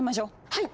はい！